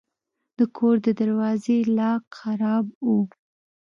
د کور د دروازې لاک خراب و.